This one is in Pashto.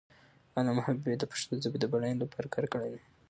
علامه حبیبي د پښتو ژبې د بډاینې لپاره کار کړی دی.